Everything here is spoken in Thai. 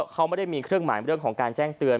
เขาไม่ได้มีเครื่องหมายเรื่องของการแจ้งเตือน